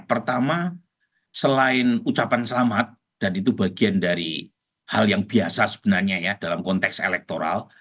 pertama selain ucapan selamat dan itu bagian dari hal yang biasa sebenarnya ya dalam konteks elektoral